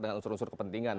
dengan unsur unsur kepentingan